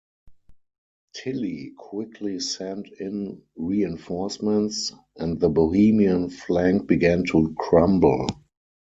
Tilly quickly sent in reinforcements, and the Bohemian flank began to crumble.